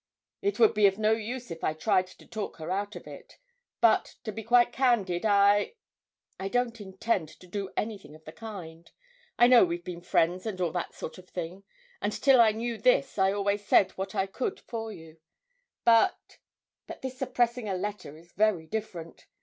'It would be of no use if I tried to talk her out of it; but, to be quite candid, I I don't intend to do anything of the kind.... I know we've been friends and all that sort of thing, and till I knew this I always said what I could for you; but but this suppressing a letter is very different.